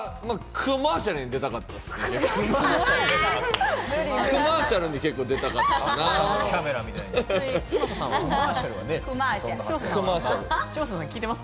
クマーシャルに出たかったです。